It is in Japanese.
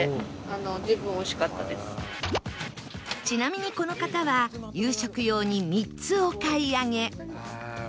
ちなみにこの方は夕食用に３つお買い上げ